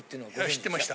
知ってました。